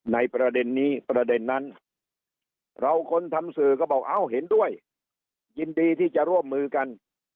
ในประเด็นนี้ประเด็นนั้นเราคนทำสื่อก็บอกเอ้าเห็นด้วยยินดีที่จะร่วมมือกัน